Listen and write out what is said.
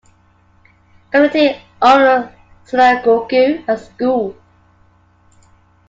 Community owned synagogue and school.